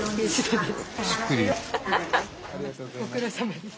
ご苦労さまです。